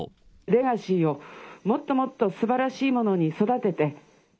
レガシーをもっともっとすばらしいものに育てて。